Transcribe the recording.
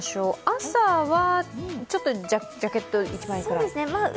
朝はちょっとジャケット１枚くらい？